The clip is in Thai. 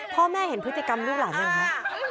พ่อแม่เห็นพฤติกรรมลูกหลานไหมคะ